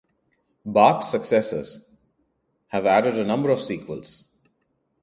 Barks' successors have added a number of sequels.